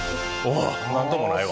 何ともないわ。